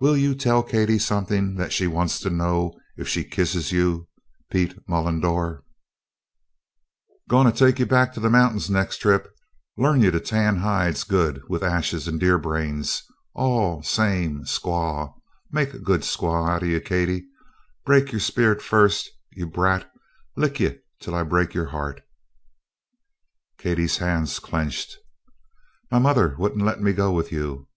"Will you tell Katie something that she wants to know, if she kisses you, Pete Mullendore?" "Goin' to take you back to the mountings next trip learn you to tan hides good with ashes and deer brains all same squaw make good squaw out o' you Katie break your spirit first you brat lick you till I break your heart." Katie's hands clenched. "My mother wouldn't let me go with you!"